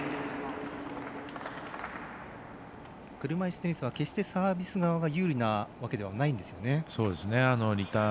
車いすテニスは決してサービス側が有利なわけではないんですよね。